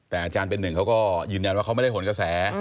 แต่อาจารย์เป็นหนึ่งเขาก็ยืนยันว่าเขาไม่ได้หนกระแส